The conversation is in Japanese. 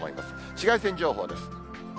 紫外線情報です。